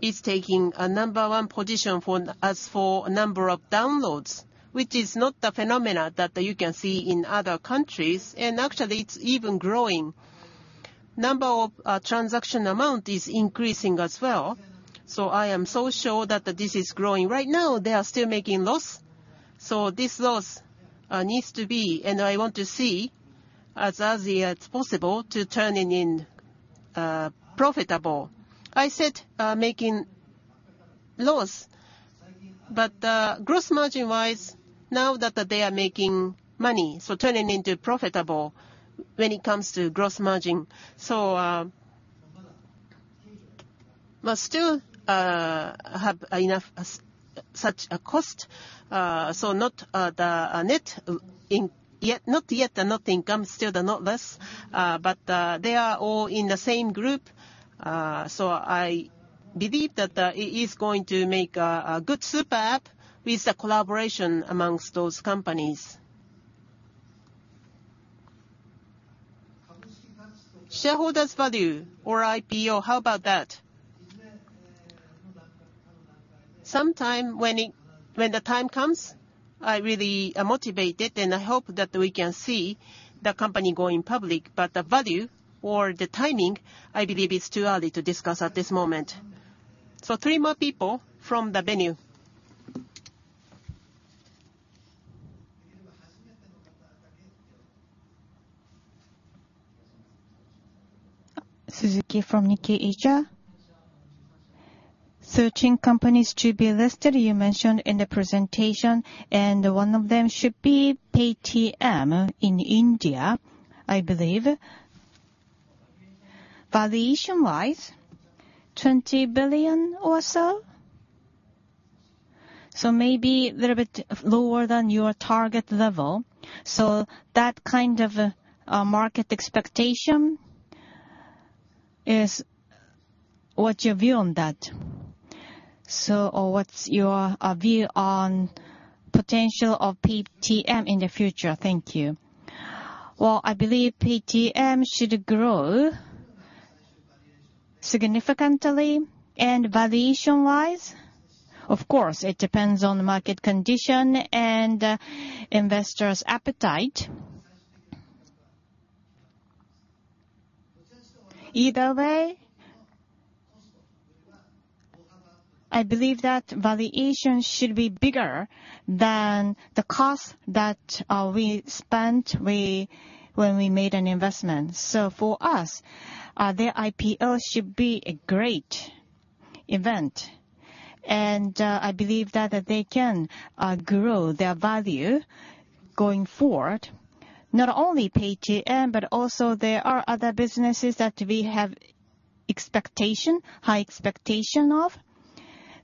is taking a number one position for, as for number of downloads, which is not the phenomenon that you can see in other countries, and actually it's even growing. Number of transaction amount is increasing as well, so I am so sure that this is growing. Right now, they are still making loss, so this loss needs to be, and I want to see as it's possible, to turning into profitable. I said making loss, but gross margin-wise, now that they are making money, so turning into profitable when it comes to gross margin. But still have enough such a cost, so not the net income yet, still they're in loss. But they are all in the same group. I believe that it is going to make a good super app with the collaboration among those companies. Shareholder value or IPO, how about that? Some time when the time comes, I really am motivated, and I hope that we can see the company going public. The value or the timing, I believe it's too early to discuss at this moment. Three more people from the venue. Suzuki from Nikkei Asia. Such companies to be listed, you mentioned in the presentation, and one of them should be Paytm in India, I believe. Valuation-wise, $20 billion or so? Maybe a little bit lower than your target level. That kind of market expectation. What's your view on that? Or what's your view on potential of Paytm in the future? Thank you. Well, I believe Paytm should grow significantly. Valuation-wise, of course it depends on the market condition and investors' appetite. Either way, I believe that valuation should be bigger than the cost that we spent when we made an investment. For us, their IPO should be a great event, and I believe that they can grow their value going forward. Not only Paytm, but also there are other businesses that we have high expectation of.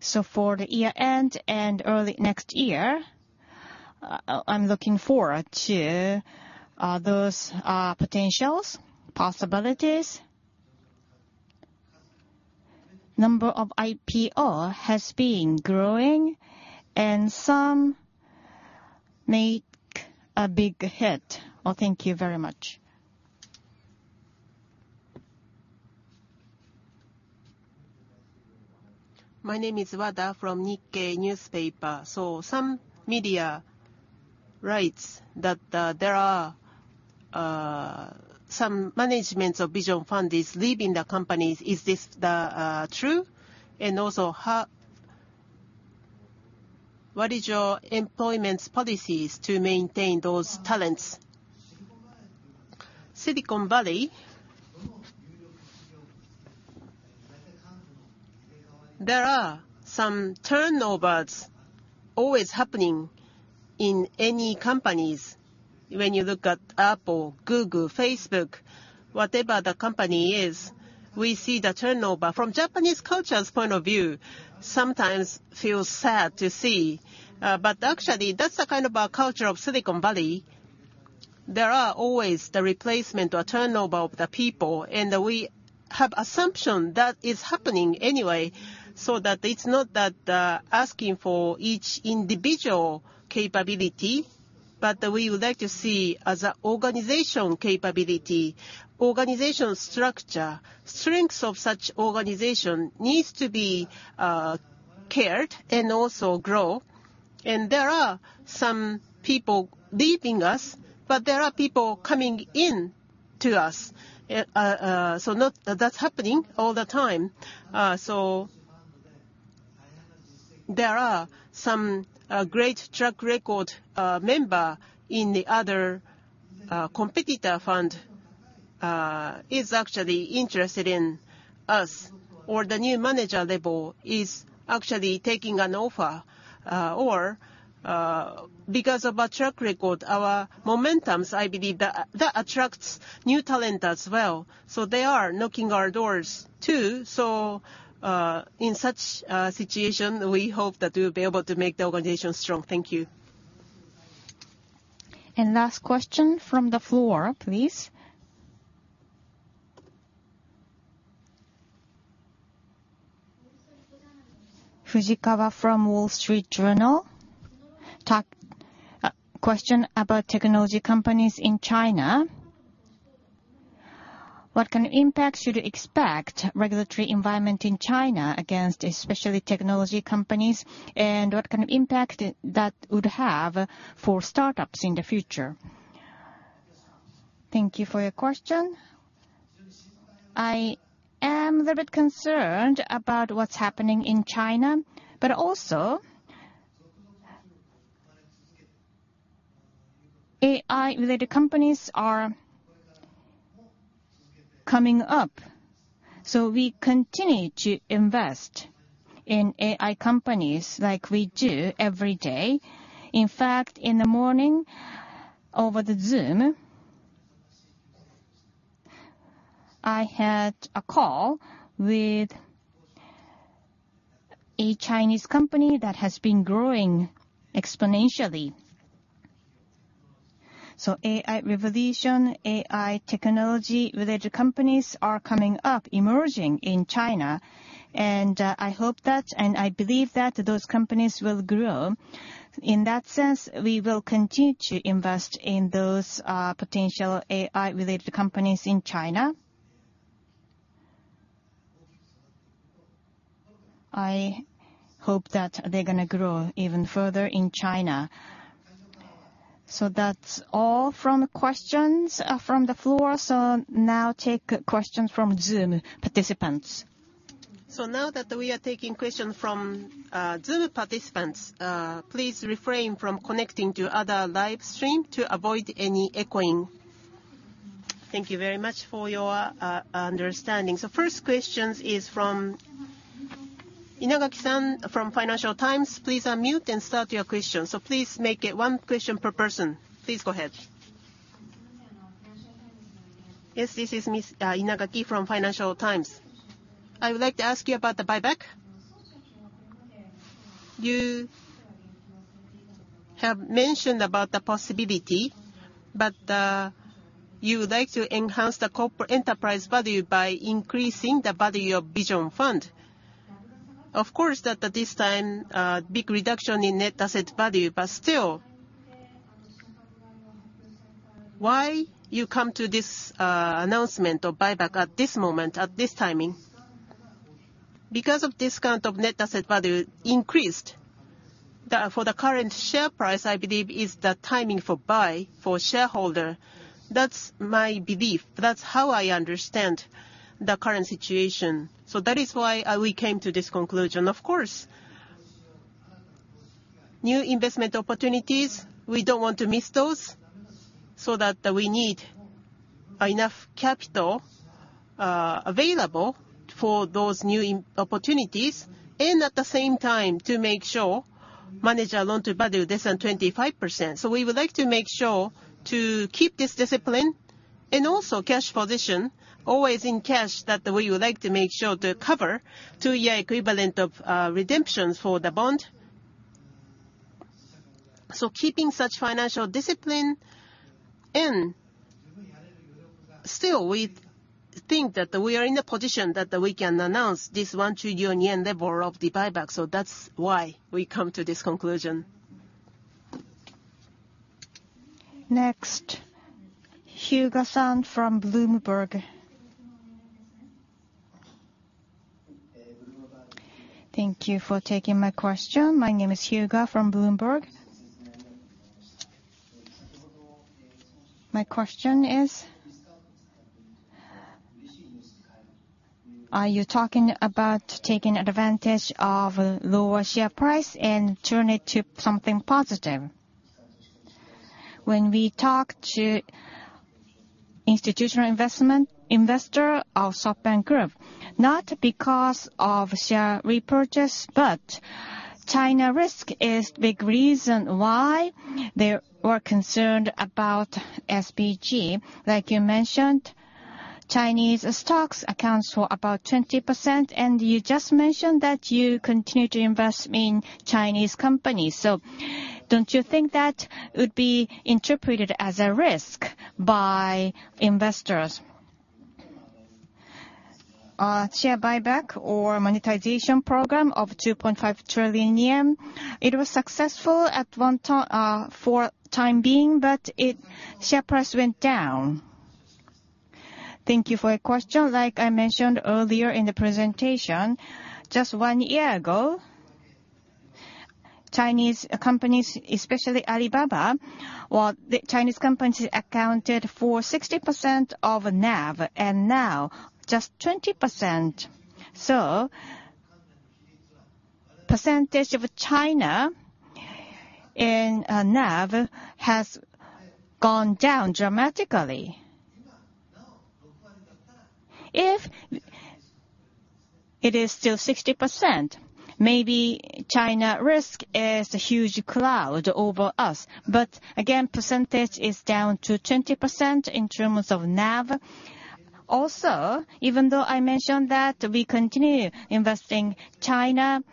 For the year-end and early next year, I'm looking forward to those potentials, possibilities. The number of IPOs has been growing, and some make a big hit. Oh, thank you very much. My name is Wada from Nikkei newspaper. Some media writes that there are some managements of Vision Fund is leaving the company. Is this true? What is your employment policies to maintain those talents? Silicon Valley, there are some turnovers always happening in any companies. When you look at Apple, Google, Facebook, whatever the company is, we see the turnover. From Japanese culture's point of view, sometimes feels sad to see. But actually, that's the kind of culture of Silicon Valley. There are always the replacement or turnover of the people, and we have assumption that is happening anyway, so that it's not that asking for each individual capability. But we would like to see as a organization capability, organization structure. Strengths of such organization needs to be cared and also grow. There are some people leaving us, but there are people coming in to us. That's happening all the time. There are some great track record member in the other competitor fund is actually interested in us, or the new manager level is actually taking an offer. Or because of our track record, our momentums, I believe that attracts new talent as well. They are knocking our doors too. In such situation, we hope that we'll be able to make the organization strong. Thank you. Last question from the floor, please. Fujikawa from Wall Street Journal. Question about technology companies in China. What kind of impact should we expect regulatory environment in China against especially technology companies? What kind of impact that would have for startups in the future? Thank you for your question. I am a little bit concerned about what's happening in China, but also, AI-related companies are coming up, so we continue to invest in AI companies like we do every day. In fact, in the morning, over the Zoom, I had a call with a Chinese company that has been growing exponentially. AI revolution, AI technology-related companies are coming up, emerging in China. I hope that, and I believe that those companies will grow. In that sense, we will continue to invest in those, potential AI-related companies in China. I hope that they're gonna grow even further in China. That's all from questions from the floor. Now take questions from Zoom participants. Now that we are taking questions from, Zoom participants, please refrain from connecting to other live stream to avoid any echoing. Thank you very much for your understanding. First question is from Inagaki-san from Financial Times. Please unmute and start your question. Please make it one question per person. Please go ahead. Yes, this is Ms. Inagaki from Financial Times. I would like to ask you about the buyback. You have mentioned about the possibility, but you would like to enhance the corporate enterprise value by increasing the value of Vision Fund. Of course that at this time big reduction in net asset value, but still, why you come to this announcement of buyback at this moment, at this timing? Because of discount of net asset value increased. Therefore, for the current share price I believe is the timing for buy for shareholder. That's my belief. That's how I understand the current situation. That is why we came to this conclusion. Of course, new investment opportunities, we don't want to miss those, so that we need enough capital, available for those new investment opportunities, and at the same time to make sure manage our loan to value less than 25%. We would like to make sure to keep this discipline, and also cash position always in cash that we would like to make sure to cover two-year equivalent of, redemptions for the bond. Keeping such financial discipline, and still we think that we are in the position that we can announce this 1 trillion yen level of the buyback. That's why we come to this conclusion. Next, Hyuga-san from Bloomberg. Thank you for taking my question. My name is Hyuga from Bloomberg. My question is, are you talking about taking advantage of lower share price and turn it to something positive? When we talk to institutional investors of SoftBank Group, not because of share repurchase, but China risk is big reason why they were concerned about SBG. Like you mentioned, Chinese stocks account for about 20%, and you just mentioned that you continue to invest in Chinese companies. Don't you think that would be interpreted as a risk by investors? Share buyback or monetization program of 2.5 trillion yen, it was successful for the time being, but share price went down. Thank you for your question. Like I mentioned earlier in the presentation, just one year ago, Chinese companies, especially Alibaba, or the Chinese companies accounted for 60% of NAV, and now just 20%. Percentage of China in NAV has gone down dramatically. If it is still 60%, maybe China risk is a huge cloud over us. Percentage is down to 20% in terms of NAV. Even though I mentioned that we continue investing China,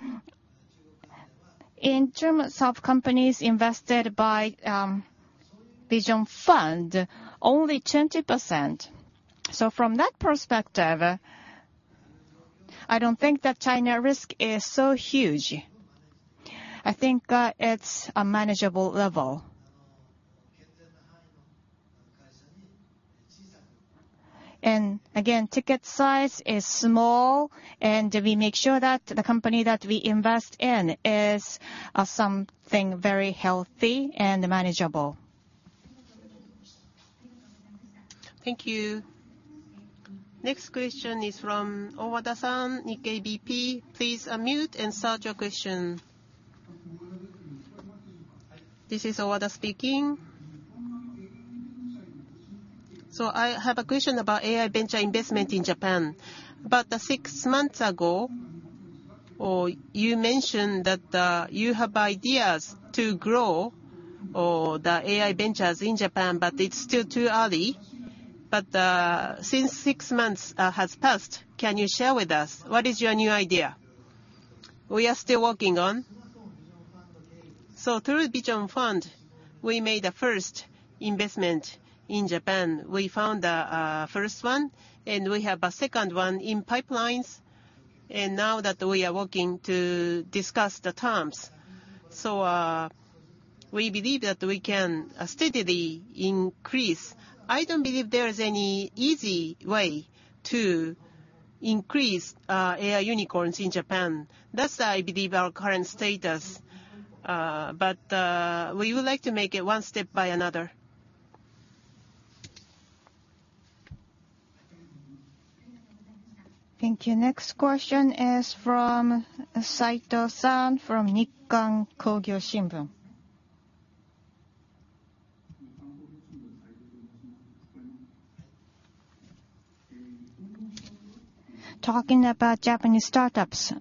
in terms of companies invested by Vision Fund, only 20%. From that perspective, I don't think that China risk is so huge. I think it's a manageable level. Again, ticket size is small, and we make sure that the company that we invest in is something very healthy and manageable. Thank you. Next question is from Owada-san, Nikkei BP. Please unmute and start your question. This is Owada speaking. I have a question about AI venture investment in Japan. About six months ago, you mentioned that you have ideas to grow the AI ventures in Japan, but it's still too early. Since six months has passed, can you share with us what is your new idea? We are still working on. Through Vision Fund, we made the first investment in Japan. We found a first one, and we have a second one in pipelines. Now that we are working to discuss the terms. We believe that we can steadily increase. I don't believe there is any easy way to increase AI unicorns in Japan. That's, I believe, our current status. We would like to make it one step by another. Thank you. Next question is from Saito-san from Nikkan Kogyo Shimbun. Talking about Japanese startups,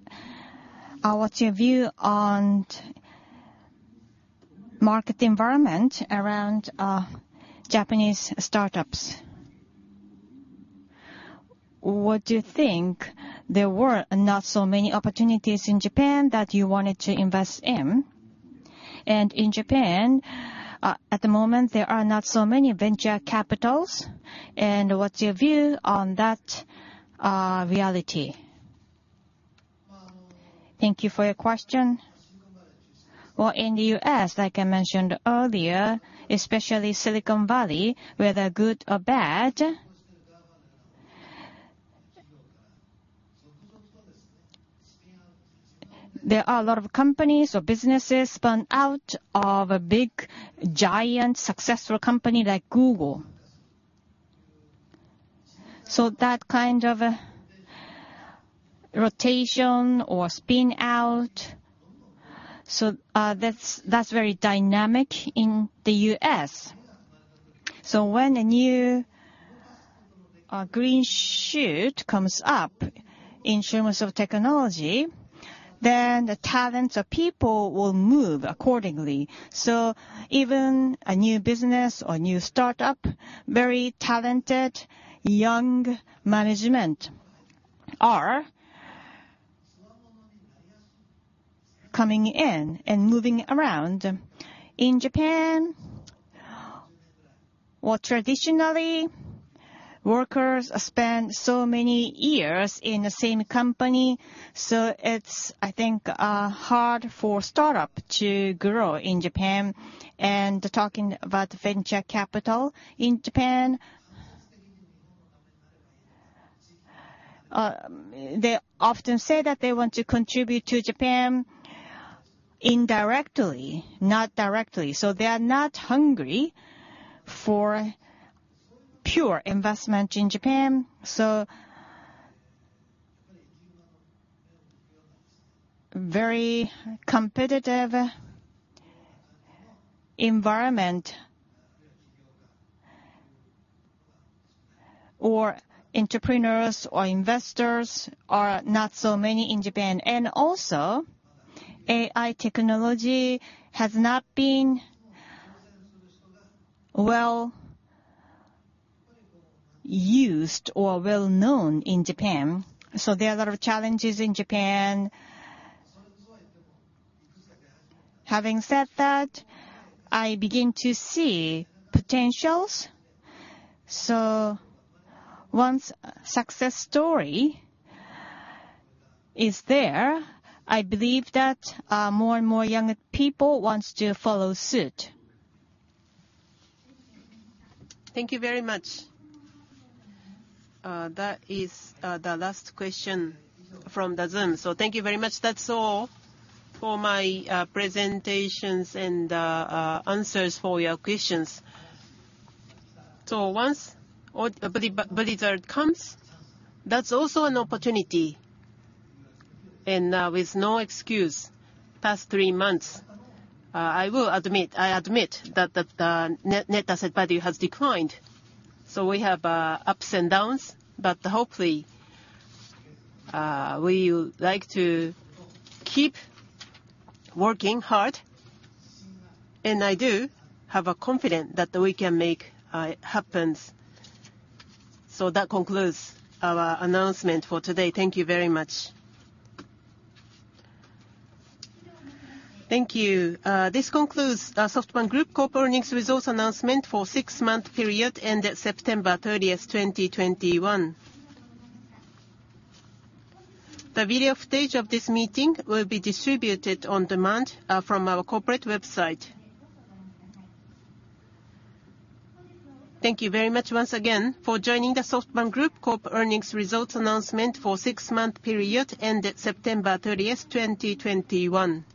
what's your view on market environment around Japanese startups? What do you think there were not so many opportunities in Japan that you wanted to invest in? In Japan, at the moment, there are not so many venture capitals, and what's your view on that reality? Thank you for your question. Well, in the U.S., like I mentioned earlier, especially Silicon Valley, whether good or bad, there are a lot of companies or businesses spun out of a big, giant, successful company like Google. That kind of a rotation or spin out, that's very dynamic in the U.S. When a new green shoot comes up in terms of technology, then the talents of people will move accordingly. Even a new business or new startup, very talented young management are coming in and moving around. In Japan, well, traditionally, workers spend so many years in the same company, so it's, I think, hard for startup to grow in Japan. Talking about venture capital in Japan, they often say that they want to contribute to Japan indirectly, not directly. They are not hungry for pure investment in Japan. Very competitive environment or entrepreneurs or investors are not so many in Japan. Also, AI technology has not been well-used or well-known in Japan. There are a lot of challenges in Japan. Having said that, I begin to see potentials. Once success story is there, I believe that more and more young people wants to follow suit. Thank you very much. That is the last question from the Zoom. Thank you very much. That's all for my presentations and answers for your questions. Once all the blizzard comes, that's also an opportunity. With no excuse, past three months, I will admit that the net asset value has declined. We have ups and downs, but hopefully we would like to keep working hard, and I do have confidence that we can make it happen. That concludes our announcement for today. Thank you very much. Thank you. This concludes the SoftBank Group Corp. earnings results announcement for six-month period ended September 30th, 2021. The video footage of this meeting will be distributed on demand from our corporate website. Thank you very much once again for joining the SoftBank Group Corp. earnings results announcement for six-month period ended September 30th, 2021.